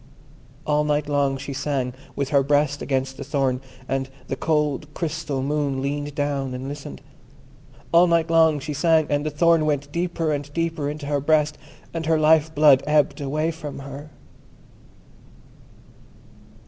All night long she sang with her breast against the thorn, and the cold crystal Moon leaned down and listened. All night long she sang, and the thorn went deeper and deeper into her breast, and her life blood ebbed away from her.